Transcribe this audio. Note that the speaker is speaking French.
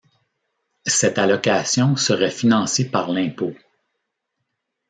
Cette allocation serait financée par l'impôt.